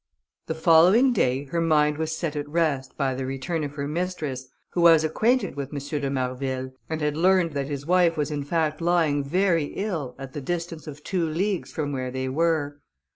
The following day, her mind was set at rest, by the return of her mistress, who was acquainted with M. de Marville, and had learned that his wife was in fact lying very ill, at the distance of two leagues from where they were.